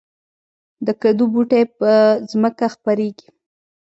د کدو بوټی په ځمکه خپریږي